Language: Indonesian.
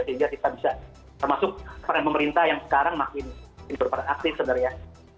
sehingga kita bisa termasuk peran pemerintah yang sekarang makin berperan aktif sebenarnya